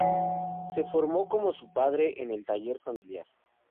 Se formó con su padre en el taller familiar.